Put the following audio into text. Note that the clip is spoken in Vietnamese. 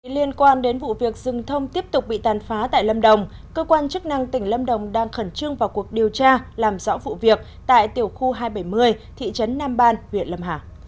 liên quan đến vụ việc rừng thông tiếp tục bị tàn phá tại lâm đồng cơ quan chức năng tỉnh lâm đồng đang khẩn trương vào cuộc điều tra làm rõ vụ việc tại tiểu khu hai trăm bảy mươi thị trấn nam ban huyện lâm hà